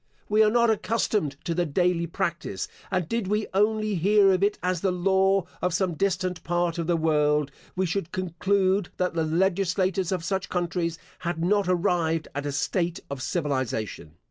Were we not accustomed to the daily practice, and did we only hear of it as the law of some distant part of the world, we should conclude that the legislators of such countries had not arrived at a state of civilisation.